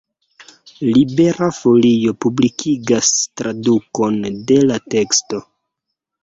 Libera Folio publikigas tradukon de la teksto.